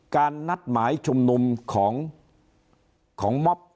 นัดหมายชุมนุมของม็อบ